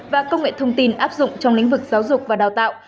và công nghệ thông tin áp dụng trong lĩnh vực giáo dục và đào tạo